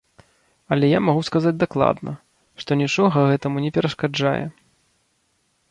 Але я магу сказаць дакладна, што нічога гэтаму не перашкаджае.